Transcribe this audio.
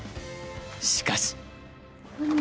しかし。